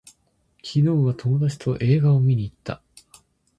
昨日は友達と映画を見に行った